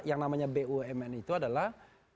yang namanya bumn itu adalah